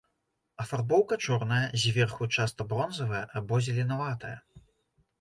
Афарбоўка чорная, зверху часта бронзавая або зеленаватая.